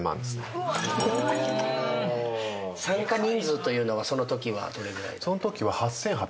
参加人数というのはそのときはどれくらいで。